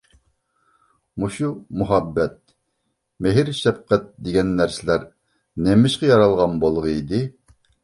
مۇشۇ مۇھەببەت، مېھىر-شەپقەت دېگەن نەرسىلەر نېمىشقا يارالغان بولغىيدى.